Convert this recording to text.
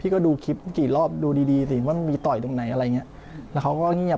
ก็ดูคลิปกี่รอบดูดีสิแล้วมีต่ออยู่ไหนอะไรเหมือนนี้